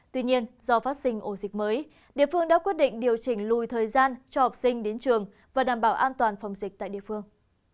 tuy nhiên do phát sinh ổ dịch mới địa phương đã quyết định điều chỉnh lùi thời gian cho học sinh đến trường và đảm bảo an toàn phòng dịch tại địa phương